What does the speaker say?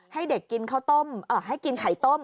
ให้เด็กกินไข่ต้ม